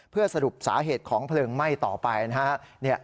เพื่อสรุปสาเหตุของเพลิงไหม้ต่อไปนะครับ